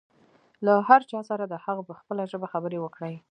له هر چا سره د هغه په خپله ژبه خبرې وکړئ.